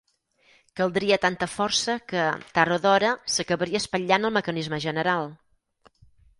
Caldria tanta força que, tard o d'hora, s'acabaria espatllant el mecanisme general.